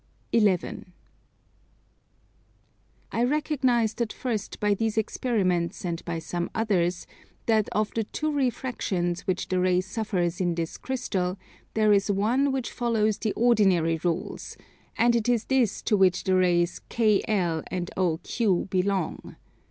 11. I recognized at first by these experiments and by some others that of the two refractions which the ray suffers in this Crystal, there is one which follows the ordinary rules; and it is this to which the rays KL and OQ belong.